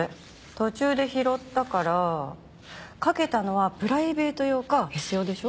途中で拾ったからかけたのはプライベート用かエス用でしょ？